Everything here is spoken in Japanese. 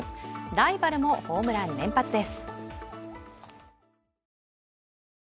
ライバルもホームラン連発です。